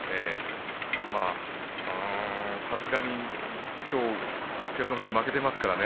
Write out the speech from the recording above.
さすがにきょう照ノ富士、負けていますからね